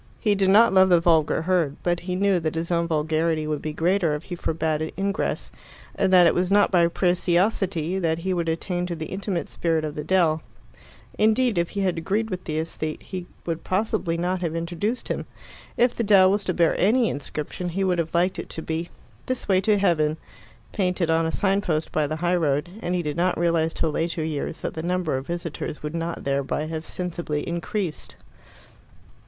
He did not love the vulgar herd, but he knew that his own vulgarity would be greater if he forbade it ingress, and that it was not by preciosity that he would attain to the intimate spirit of the dell. Indeed, if he had agreed with the aesthete, he would possibly not have introduced him. If the dell was to bear any inscription, he would have liked it to be "This way to Heaven," painted on a sign post by the high road, and he did not realize till later years that the number of visitors would not thereby have sensibly increased.